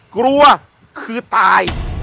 กลัวคือตาย